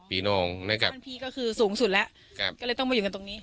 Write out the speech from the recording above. น้องนะครับบ้านพี่ก็คือสูงสุดแล้วก็เลยต้องมาอยู่กันตรงนี้